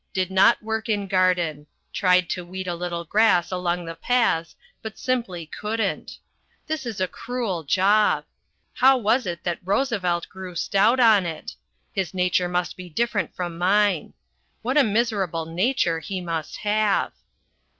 Did not work in garden. Tried to weed a little grass along the paths but simply couldn't. This is a cruel job. How was it that Roosevelt grew stout on it? His nature must be different from mine. What a miserable nature he must have.